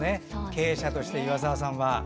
経営者として、岩沢さんは。